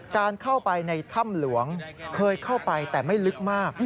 การเข้าไปในถ้ำหลวงเคยเข้าไปแต่ไม่ลึกมาก